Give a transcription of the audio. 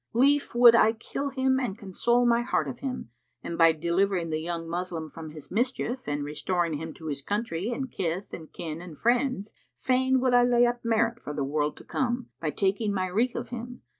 Lief would I kill him and console my heart of him; and, by delivering the young Moslem from his mischief and restoring him to his country and kith and kin and friends, fain would I lay up merit for the world to come, by taking my wreak of him.